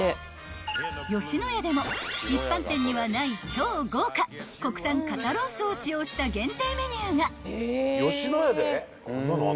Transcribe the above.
［野家でも一般店にはない超豪華国産肩ロースを使用した限定メニューが］